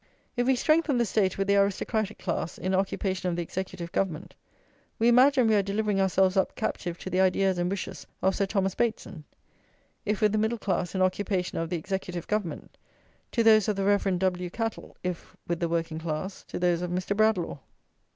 If we strengthen the State with the aristocratic class in occupation of the executive government, we imagine we are delivering ourselves up captive to the ideas and wishes of Sir Thomas Bateson; if with the middle class in occupation of the executive government, to those of the Rev. W. Cattle; if with the working class, to those of Mr. Bradlaugh.